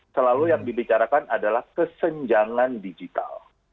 selalu yang dibicarakan adalah kesenjangan digital